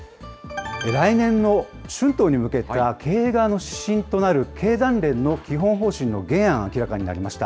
来年の春闘に向けた経営側の指針となる経団連の基本方針の原案、明らかになりました。